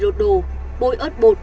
tòa vì lột đồ bôi ớt bột